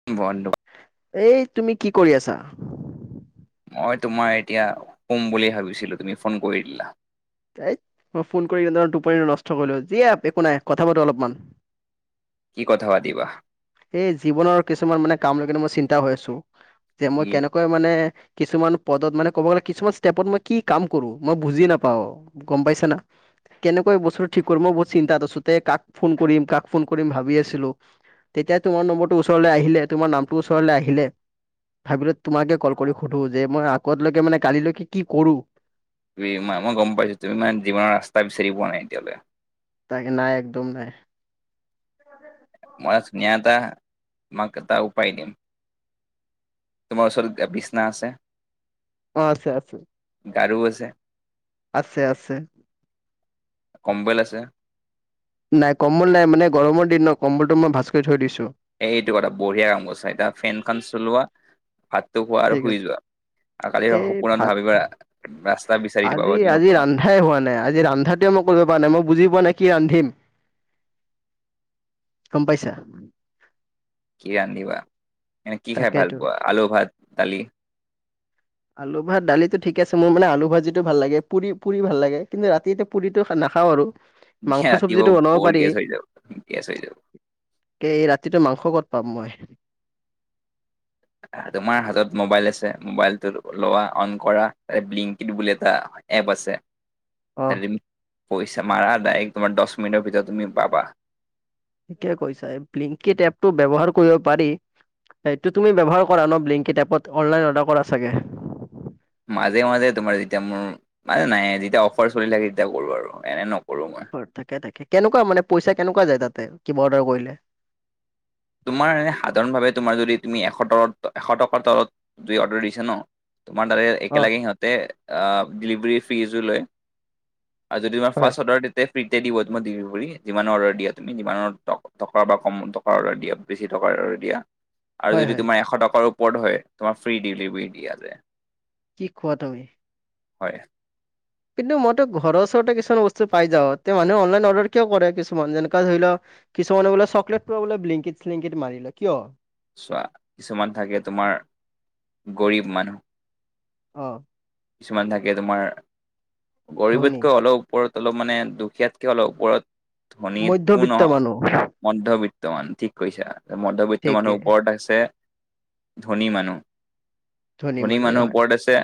[unintelligible] এই তুমি কি কৰি আছা? মই তোমাৰ এতিয়া শুম বুলি ভাবিছিলো, তুমি ফোন কৰি দিলা। এইত মই ফোন কৰি তোমাৰ নষ্ট কৰিলোঁ যিয়ে একো নাই কথা পাতো অলপমান। কি কথা পাতিবা? এই জীৱনৰ কিছুমান মানে কাম লকে মই চিন্তা হৈ আছো, যে মই কি কেনেক কৈ মানে কিছুমান পদত মানে ক'ব গ'লে কিছুমান ষ্টেপত মই কি কাম কৰো? মই বুজি নাপাওঁ। গম পাইছা না? কেনেকুৱা এই বস্তুটো ঠিক কৰি, মই বহুত চিন্তাত আছো তে কাক ফোন কৰিম, কাক ফোন কৰিম ভাবি আছিলো তেতিয়া তোমাৰ নম্বৰটো ওচৰলৈ আহিলে, তোমাৰ নামটো ওচৰলৈ আহিলে, ভাবিলো তোমাকে কল কৰি সোধো যে, মই আগতলৈকে মানে কালিলৈকে কি কৰো? ত মই গম পাইছো, তুমি মানে জীৱনৰ ৰাস্তা বিচাৰো পোৱা নাই এতিয়ালে। তাক নাই একদম নাই। মই ধুনীয়া এটা, তোমাক এটা এটা উপায় দিম। তোমাৰ ওচৰত বিচনা আছে? অ' আছে আছে। গাৰু আছে? আছে আছে। কম্বল আছে? নাই কম্বল নাই মানে গৰমৰ দিন ন, কম্বলটো মই ভাজ কৰি থৈ দিছো। এই এইটো কটা, বঢ়িয়া কাম কৰচা, এতিয়া ফেনখন চলোৱা, ভাতটো শোৱা ঠিক আৰু আছে শুই যোৱা। কালিৰ এই সপোনত ভাত ভাবিবা, ৰাস্তা বিচাৰি দিবা আজি আজি ৰান্ধাই হোৱা নাই, আজি ৰান্ধাটোৱে মই কৰিব পৰা নাই। মই বুজি পোৱা নাই কি ৰান্ধিম? কম পাইচা? কি ৰান্ধিবা, এনে কি খাই ভাল তাকেতো পোৱা আলু, ভাত, দালি? আলু ভাত দালিতটো ঠিক আছে। মোৰ মানে আলু ভাজিটো ভাল লাগে, পুৰি পুৰি ভাল লাগে, কিন্তু ৰাতি পুৰিটো নাখাওঁ আৰু। মাংস সেয়া চব্জিটো ৰাতিপুৱা বনাব বৰ পাৰি গেছ হৈ যাব, গেছ হৈ যাব। এই ৰাতিটো মাংস ক'ত পাম মই? তোমাৰ হাতত মোবাইল আছে, মোবাইলটো লোৱা, অন কৰা, ব্লিংকিড বুলি এট এপ আছে। অ এদিন পইচা মাৰা, ডাইৰেক্ট তোমাৰ দচ মিনিটৰ ভিতৰত তুমি পাবা। থিকে কৈছা। এপ ব্লিংকিড এপটো ব্যৱহাৰ কৰিব পাৰি! এইটো তুমি ব্যৱহাৰ কৰা ন, ব্লিংকিড এপত অনলাইন অৰ্ডাৰ কৰা চাগে? মাজে মাজে তোমাৰ যেতিয়া মোৰ, মানে নাই যেতিয়া অফাৰ চলি থাকে, তেতিয়া কৰো আৰু এনে নকৰো মই। তাকে থাকে, কেনেকুৱা মানে পইচা কেনেকুৱা যায় তাতে, কিবা অৰ্ডাৰ কৰিলে? তোমাৰ এ সাধাৰণভাৱে, তোমাৰ যদি তুমি এশ তলত, এশ টকাৰ তলত যই অৰ্ডাৰ দিছা ন! তোমাৰ দাৰে অ', একেলগে সিহঁতে ডেলিভাৰী ফিজো লয়। আৰু যদি মই হয়, ফাৰ্ষ্ট অৰ্ডাৰ দি ফ্ৰীতে দিব তুমাৰ ডেলিভাৰী, যিমানৰ অৰ্ডাৰ দিয়া, তমিমান ট টকা বা কম টকাৰ অৰ্ডাৰ দিয় দিয়া বেছি টকাৰ দিয়া আৰু হয়, যদি হয়, তোমাৰ এশ টকাৰ ওপৰত হয়, তোমাৰ ফ্ৰী ডেলিভাৰী দিয়া যায়। কি খোৱা তুমি? হয়। কিন্তু মইতো ঘৰৰ ওচৰতে কিছুমান বস্তু পাই যাওঁ। তেওঁ মানুহে অনলাইন অৰ্ডাৰ কিয় কৰে? কিছুমান যেনেকা ধৰি লও কিছুমানে বোলে চকলেটো বোলে ব্লিংকিট-চিলিংকিট মাৰিল লয় কিয়? চোৱা কিছুমান থাকে তোমাৰ গৰীব মানুহ, অ, কিছুমান থাকে তোমাৰ ধনী গৰীবতকৈ অলপ ওপৰত অলপ মানে দুখীয়াতকে অলপ ওপৰত, ধনী কোন মধ্যবিত্ত নহয়, মানুহ মধ্যবিত্ত মানুহ ঠিক কৈছা। মধ্যবিত্ত ঠিকে মানুহৰ ওপৰত আছে ধনী মানুহ। ধনী মানুহ মানুহৰ হয়। ওপৰত আছে,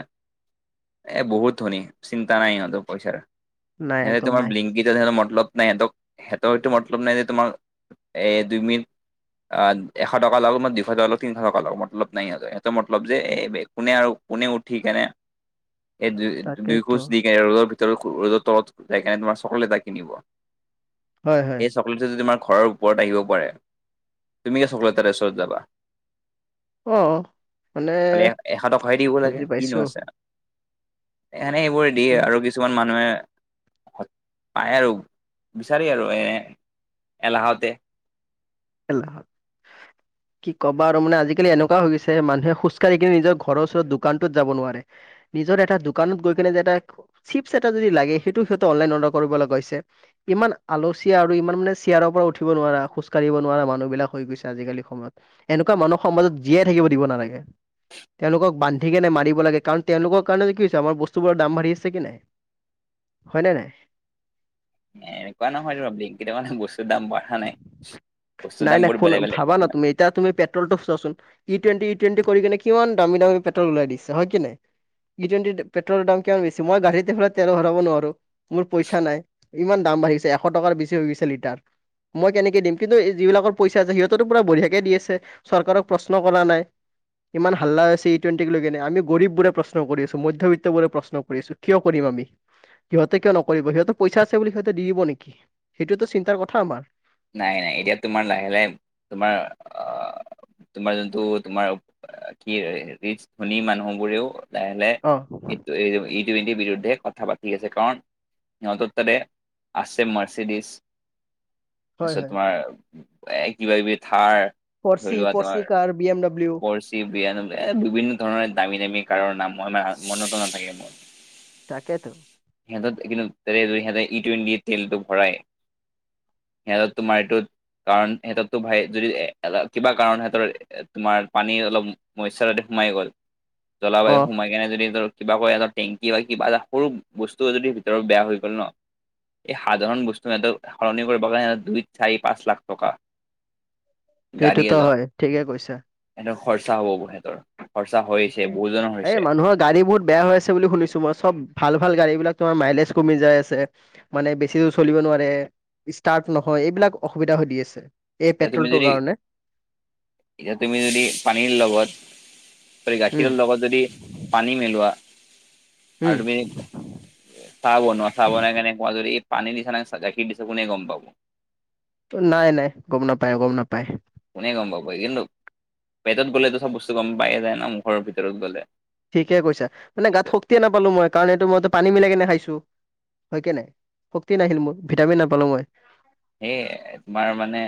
এ বহুত ধনী, চিন্তা নাই সিহঁতৰ পইচাৰ। নাই সিহঁতে একদম তোমাৰ নাই, ব্লিংকিটৰ মতলব নাই। সিহঁতক সিহঁতৰটো মতলব নাই যে, তোমাৰ এ দুই মিনিট এশ টকা লওক, মই দুশ টকা লওক, তিনিশ টকা লওক মতলব নাই সিহঁতৰ। মতলব যে এই কোনে আৰু কোনে উঠি কেনে এই দু দুই তাকেতো খোজ দি কেনে ৰ ৰ'দৰ তলত যাই কিনে তোমাৰ চকলেট এটা কিনিব। হয়, হয়। এই চকলেটটো যদি তোমাৰ ঘৰৰ ওপৰত আহিব পাৰে তুমি চকলেট এটা ওচৰত যাবা। অ'। মানে খালি এ এশ টকাহে দিব লাগে বুজি পাইছো, কিনো আছে আ। এ এনেই এইবোৰ দিয়ে আৰু কিছ কিছুমান মানুহে পায় আৰু বিচাৰি আৰু এ এলাহতে এলাহত। কি ক'ব আৰু মানে আজি-কালি এনেকুৱা হৈ গৈছে মানুহে খোজকাঢ়ি কিনে নিজৰ ঘৰৰ ওচৰত দোকানটোত যাব নোৱাৰে। নিজৰ এটা দোকানত গৈ কেনে যে এটা চিপছ এটা যদি লাগে সেইটো সিহঁতে অনলাইন অৰ্ডাৰ কৰিব লগা হৈছে। ইমান আলচীয়া আৰু ইমান মানে চিয়াৰৰ পৰা উঠিব নোৱাৰা খোজ কাঢ়িব নোৱাৰা মানুহবিলাক হৈ গৈছে আজি-কালি সময়ত। এনেকুৱা মানুহক সমাজত জীয়াই থাকিব দিব নালাগে। তেওঁলোকক বান্ধি কেনে মাৰিব লাগে কাৰণ তেওঁলোকৰ কাৰণে কি হৈছে আমাৰ বস্তুবোৰৰ দাম বাঢ়ি আছে কি নাই? হয় নে নাই? এনেকুৱা নহয়টো ব্লিংকিটৰ কাৰণে বস্তুৰ দাম বাঢ়া নাই। বস্তুৰ নাই নাই দামবোৰ শুন বেলেগ বেলেগ ভাবা না কাৰণে তুমি এতিয়া তুমি পেট্ৰলটো চোৱাচোন। ইটুৱেনটি ইটুৱেনটি কৰি কিনে কিমান দামী দামী পেট্ৰল ওলাই দিছে। হয় কি নাই? ইটুৱেনটি পেট্ৰলৰ দাম কিমান বেছি মই গাদিকেইখনত তেল ভৰাব নোৱাৰো। মোৰ পইচা নাই। ইমান দাম বাঢ়িছে এশ টকাৰ বেছি হৈ গৈছে লিটাৰ। মই কেনেকে দিম? কিন্তু এই যিবিলাকৰ পইচা আছে সিহঁতৰটো পুৰা বঢিয়াকে দি আছে চৰকাৰক প্ৰশ্ন কৰা নাই। ইমান হাল্লা হৈ আছে ইটুৱেণ্টিক লৈ কিনে। আমি গৰীববোৰে প্ৰশ্ন কৰি আছো, মধ্যবিত্তবোৰে প্ৰশ্ন কৰি আছো। কিয় কৰিম আমি? সিহঁতে কিয় নকৰিব? সিহঁতৰ পইচা আছে বুলি সিহঁতে দি দিব নেকি? সেইটোৱেটো চিন্তাৰ কথা আমাৰ। নাই, নাই। এতিয়া তোমাৰ লাহে লাহে তোমাৰ অ তোমাৰ যোনটো তোমাৰ কি ৰিচ ধনী মানুহবোৰেও লাহে লাহে অ। ই ইটুৱেনটিৰ বিৰুদ্ধে কথা পাতি আছে কাৰণ সিহঁতৰ তাতে আছে মাৰচিডিছ। হয় তাৰপিছত হয় তোমাৰ এ কিবা-কিবি থাৰ পৰ্চি, পৰ্চী car B M W. পৰ্চী, B M W এ বিভিন্ন ধৰণৰ দামী দামী কাৰৰ নাম, মোৰ মানে মনতো নাথাকে মোৰ। তাকেটো। সিহঁত কিন্তু সিহঁতে ইটুৱেণ্টি তেলটো ভৰাই সিহঁত তোমাৰ এইটো কাৰণ সিহঁতকতো ভাই যদি এ কিবা কাৰণ সিহঁতৰ এ তোমাৰ পানী অলপ মইচাৰত সোমাই গ'ল। জলবায়ু অ সোমাই কেনে যদি সিহঁতৰ কিবা কৈ এটা টেংকি বা কিবা এটা সৰু বস্তু যদি ভিতৰত বেয়া হৈ গ'ল ন। এই সাধাৰণ বস্তু সিহঁতক সলনি কৰিব কাৰণে দুই, চাৰি, পাঁচ লাখ টকা। সেইটোতো হয়, ঠিকে কৈছা। সেহতৰ খৰচা হ'ব সেহেঁতৰ। তাকে এই মানুহৰ গাড়ী বহুত বেয়া হৈ ছে বুলি শুনিছো মই। চব ভাল ভাল গাড়ীবিলাক তোমাৰ মাইলেজ কমি যাই আছে। মানে বেছি দূৰ চলিব নোৱাৰে, ষ্টাৰ্ট নহয় এইবিলাক অসুবিধা হৈ দি আছে। এই এ তুমি পেট্ৰলটোৰ যদি কাৰণে এতিয়া তুমি যদি পানীৰ লগত যদি উম গাখীৰৰ লগত যদি পানী মিলোৱা উম আৰু তুমি চাহ বনোৱা চাহ বনাই কেনে কোৱা যদি এই পানী দিছা নে গাখীৰ দিছা কোনে গম পাব? ত নাই নাই। গম নাপায়, গম নাপায়। কোনে গম পাবই কিন্তু পেটত গ'লেতো চব বস্তু গম পায়ে যায় ন মুখৰ ভিতৰত গ'লে। ঠিকে কৈছা মানে গাত এইটো শক্তিয়ে নাপালো মই কাৰণ এইটো মইটো পানী মিলাই কেনে খাইছো। হয় কে নাই শক্তি নাহিল মোৰ ভিটামিন নাপালো মই। এ তোমাৰ মানে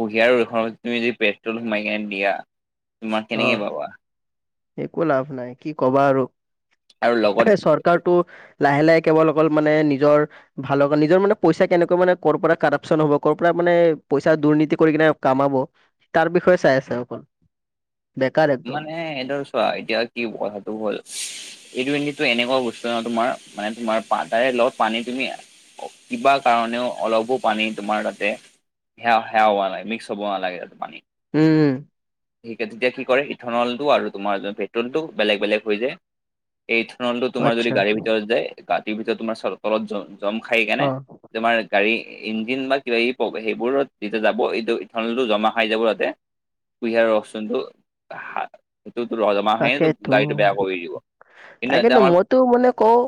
কুহিয়াৰ ৰষৰ তুমি যদি পেট্ৰল সোমাই কিনে দিয়া। তোমাৰ অ কেনেকে পাবা একো লাভ নাই কি কবা আৰু আৰু লগত এ চৰ- কাৰটো লাহে লাহে কেৱল অকল মানে নিজৰ ভাল নিজৰ মানে পইচা কেনেকুৱা মানে কৰ পৰা কৰাপচন হব কৰ পৰা মানে পইচা দুৰ্নীতি কৰি কিনে কমাব তাৰ বিষয়ে চাই আছে অকল। বেকাৰ একদম মানে সে ধৰ চোৱা এতিয়া কি কথাটো হ'ল ই টুৱেন্টিটো এনেকুৱা বস্তু ন তোমাৰ মানে তোমাৰ পাদাৰে লগ পানী তুমি কিবা কাৰণেও অলপো পানী তোমাৰ তাতে হেয়াও হেয়াও হোৱা লাগে মিক্স হোৱা ন লাগে আৰু পানী। উম উম। সি কে তেতিয়া কি কৰে ইথনলটো আৰু তোমাৰ পেট্ৰলটো বেলেগ বেলেগ হৈ যায়। এই ইথনলটো তোমাৰ যদি আচ্ছা গাড়ীৰ ভিতৰত যায় গাতিৰ ভিতৰত তোমাৰ চৰ তলত জম খাই কেনে অ তোমাৰ গাড়ী ইঞ্জিন বা কিবা সেইবোৰত যেতিয়া যাব এই ইথনলটো জমা খাই যাব তাতে। কুঁহিয়াৰ ৰখ চোন টো। সেইটোৰ জমা হৈ এ গাড়ীটো বেয়া তাকেতো কৰি দিব কিন্তু এতে আমাৰ তো মনে কৌ।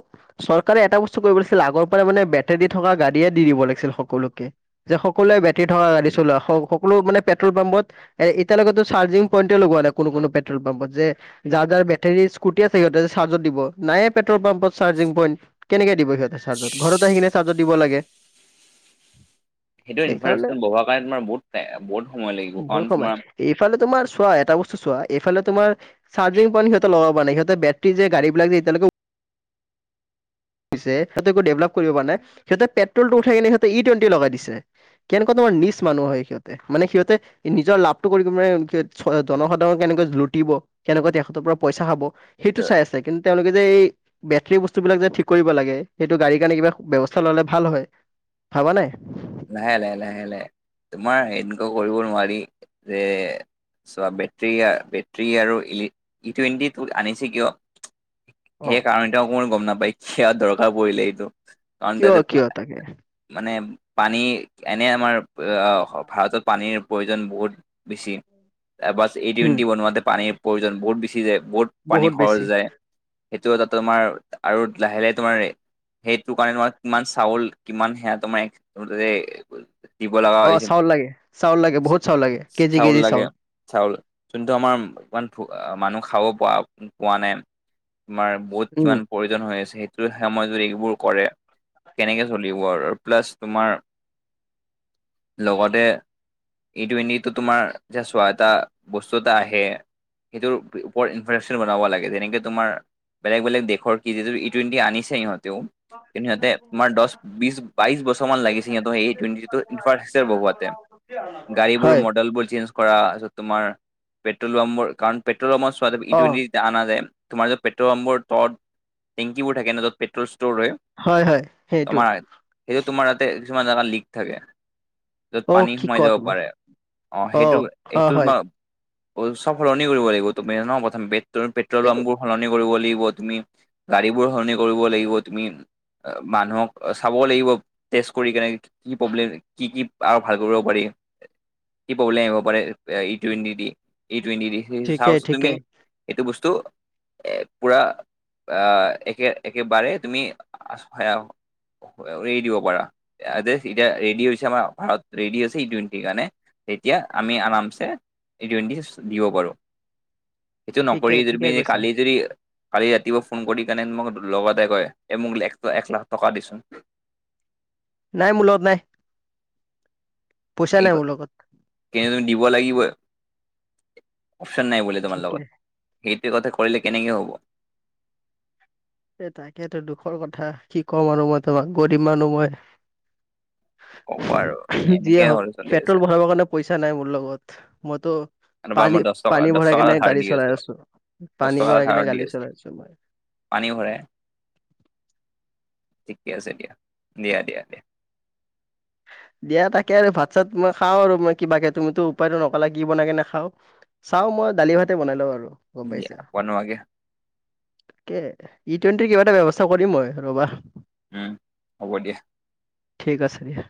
চৰকাৰে এটা বস্তু কৰিব লাগছিল আগৰ পৰাই মানে বেটেৰী থকা গাড়ীয়ে দি দিব লাগিছিল সকলোকে। যে সকলোৱে বেটেৰী থকা গাড়ী চলোৱা সকলো মানে পেট্ৰল পাম্পত এতিয়ালেতো চাৰ্জি পইণ্টে লগোৱা নাই কোনো কোনো পেট্ৰল পাম্পত যে যাৰ যাৰ বেটেৰী স্কুটি আছে সিহঁতে চাৰ্জত দিব নাইে পেট্ৰল পাম্পত চাৰ্জিং পইণ্ট। কেনেকে দিব সিহঁতে চাৰ্জত ঘৰত আহি কিনে চাৰ্জত দিব লাগে। সেইটো সেইকাৰণে ইনফাৰেশ্যন বহোৱাৰ কাৰণে তোমাৰ বহুত বহুত সময় লাগিব ভুল কাৰণ কমাই তোমা- এইফালে তোমাৰ চোৱা এটা বস্তু চোৱা এইফালে তোমাৰ চাৰ্জি পইন্ট সিহঁতি লগাব নাই সিহতে বেটেৰী যে গাড়ী বিলাক যে এতিয়ালে উ- পিছে একো ডেভলপমেন্ট কৰিব পৰা নাই সিহঁতে পেট্ৰলটো উঠাই কিনে সিহঁতে ই টুৱেণ্টি লগাই দিছে। কেনেকুৱা তোমাৰ নিচ মানুহ হয় সিহঁতে। মানে সিহঁতে নিজৰ লাভটো কৰিব মানে সহ জনসাধাৰণক কেনেকৈ লুটিব। কেনেকুৱা তেখতৰ পৰা পইচা খাব সেইটো চাই আছে, কিন্তু তেওঁলোকে যে এই বেটৰী বস্তু বিলাক যে ঠিক কৰিব লাগে সেইটো গাড়ীৰ কাৰণে কিবা ব্যৱস্থা ললে ভাল হয় ভাবা নাই। লাহে লাহে লাহে লাহে তোমাৰ এনেকুৱা কৰিব নোৱাৰি যে চোৱা বেটৰী গা বেটৰী আৰু ইলি ই টুৱেণ্টি আনিছে কিয় অ সেই কাৰণতে অকমানো গম নাপায় খিয় দৰকাৰ পৰিলে এইটো। কাৰণ কিয় দাদেব কিয় তাকে মানে। পানী এনে আমাৰ ভাৰতত পানীৰ প্ৰয়োজন বহুত বেছি। বাছ এ উম টুৱণ্টি বনোৱাতে পানীৰ প্ৰয়োজন বহুত বেছি যায় বহুত পানী খৰচ যায়। সেইটো এটা তোমাৰ আৰু লাহে লাহে তোমাৰ সেইটো কাৰণে তোমাৰ কিমান চাউল কিমান সেয়া তোমাৰ [unintelligible] অ হৈছে চাউল লাগে চাউল লাগে বহুত চাউল লাগে কেজি কেজি চাউল। চাউল যোনটো আমাৰ ইমান মানুহ খাবও প পোৱা নাই। তোমাৰ বহুত উম কিমান প্ৰয়োজন হৈ আছে সেইট- টো সেময় যদি এইবোৰ কৰে কেনেকে চলিব আৰু প্লাছ তোমাৰ লগতে ই টুৱেণ্টিটো তোমাৰ জাষ্ট চোৱা এটা বস্তুত এটা আহে। সেইটোৰ ওপৰত ইনফ্ৰেচন বনাব লাগে যেনেকে তোমাৰ বেলেগ বেলেগে দেশৰ কি যিটো ই টুৱেণ্টি আনিছে ইহঁতেও কিন্তু ইহঁতে তোমাৰ দছ বিছ বাইশ বছৰ [unintelligible] মান লাগিছে সেই টুৱেন্টিটোত [unintelligible] বহুৱাতে, গাড়ী বোৰ হয় মডেল চেঞ্জ কৰা যত তোমাৰ পেট্ৰল পাম্প কাৰণ পেট্ৰল পাম্পৰ চোৱা তুমি ই অ টুৱেন্টি অনা যায় তোমাৰ য'ত পেট্ৰল পাম্পৰ তত টেংকি বোৰ থাকে ন তত পেট্ৰল ষ্ট'ৰ হয়। হয় হয় সেইটো আমাৰ সেইটো তোমাৰ য়াতে কিছুমান জাগা লিক থাকে। যত অ পানী কি সোমাই কোৱা যাব তুমি পাৰে, অ সেইটো অ', সেইটো হয় ন অ চব সলনি কৰিব লাগিব তুমি ন প্ৰথম পে পেট্ৰল সেইটো পাম্পবোৰ সলনি কৰিব লাগিব তুমি গাড়ী বোৰ সলনি কৰিব লাগিব তুমি। মানুহক চাব লাগিব। টেষ্ট কৰি কেনে কি প্ৰব্লেম কি কি আৰু ভাল কৰিব পাৰি। কি প্ৰব্লেম আহিব পাৰে ই টুৱেণ্টি দি ই টুৱেণ্টি দি, ঠিকেই চাছ তুমি ঠিকেই এইটো বস্তু [unintelligible] ৰে দিব পাৰা এতিয়া ৰেডিঅ হৈছে আমাৰ ভাৰত ৰেডিঅ' ই টুৱেণ্টিৰ কাৰণে। তেতিয়া আমি আৰামছে ই টুৱেণ্টি দিব পাৰো। সেইটো নকৰি ঠিকেই ঠিকে তুমি কৈছা কালি যদি কালি ৰাতিপুৱা ফোন কৰি কেনে মোক লগতে কয় এ মোক এক লাখ টকা দেচোন নাই মোৰ লগত নাই। পইচা নাই মোৰ লগত। কিন্ত তুমি দিব লাগিব, অপচন নাই বোলে তোমাৰ ঠিকে লগত। সেইটো কথা কৰিলে কেনেকে হব। এ তাকেইতো দুখৰ কথা কি কম আৰু মই তোমাক গৰিব মানুহ মই। ক'ব আৰু এনেকে যিয়ে হওক হৈ চলি আছে পেট্ৰল বঢ়াবৰ কাৰণে পইচা নাই মোৰ লগত, মইতো এবাৰ মই পানী দহ টকা পানী দহ ভৰাই টকা এটা কিনে ধাৰ গাড়ী দি চলাই আছো, দহ পানী টকা এটা ভৰাই ধাৰত কিনে দি গাড়ী চলাই আছো। পানী ভৰাই, ঠিকে আছে দিয়া দিয়া দিয়া দিয়া। দিয়া তাকে আৰু ভাত চাত মই খাওঁ আৰু ম‌ই কিবাকে তুমিতো উপায়টো নকালা কি বনাই কিনে খাও। চাওঁ মই দালি ভাতে বনাই লওঁ আৰু গম দিয়া পাইছে। বনোৱাগে ই টুৱেণ্টিৰ কিবা এটা ব্যৱস্থা কৰিম মই ৰবা। উম হ'ব দিয়া। ঠিক আছে দিয়া।